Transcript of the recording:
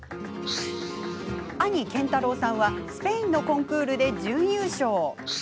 兄・健太郎さんはスペインのコンクールで準優勝。